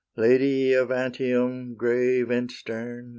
Lady of Antium, grave and stern!